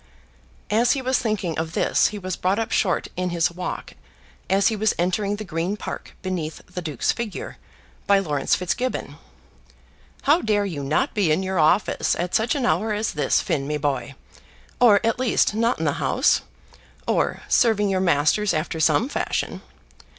As he was thinking of this he was brought up short in his walk as he was entering the Green Park beneath the Duke's figure, by Laurence Fitzgibbon. "How dare you not be in your office at such an hour as this, Finn, me boy, or, at least, not in the House, or serving your masters after some fashion?"